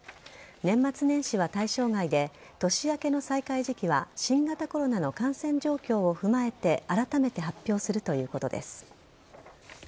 年末年始は対象外で年明けの再開時期は新型コロナの感染状況を踏まえてあらためて発表するということです。